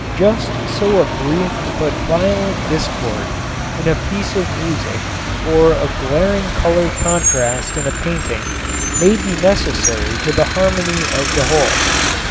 Just so a brief but violent discord in a piece of music or a glaring color contrast in a painting may be necessary to the harmony of the whole.